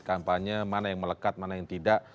kampanye mana yang melekat mana yang tidak